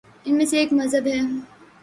ان میں سے ایک مذہب ہے۔